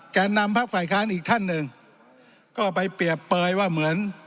แก่นำพักฝ่ายค้านอีกท่านหนึ่งก็ไปเปรียบเปลยว่าเหมือน